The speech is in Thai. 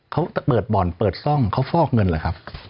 เขาเปิดบ่อนเปิดซ่องเขาฟอกเงินเหรอครับ